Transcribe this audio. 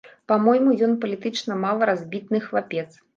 Па-мойму, ён палітычна мала разбітны хлапец.